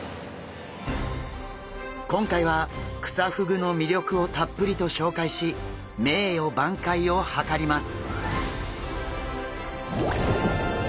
今回はクサフグの魅力をたっぷりと紹介し名誉挽回を図ります。